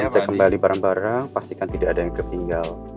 sekarang pastikan tidak ada yang ketinggal